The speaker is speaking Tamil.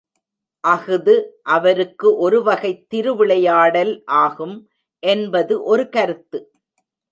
அஃது அவருக்கு ஒருவகைத் திருவிளையாடல் ஆகும் என்பது ஒரு கருத்து.